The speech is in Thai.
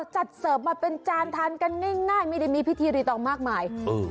เสิร์ฟมาเป็นจานทานกันง่ายไม่ได้มีพิธีรีตองมากมาย